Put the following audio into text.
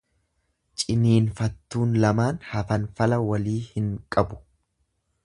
Ciniinfattuun lamaan hanfalaa walii hin qabu.